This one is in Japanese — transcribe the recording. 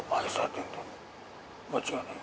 間違いないよ。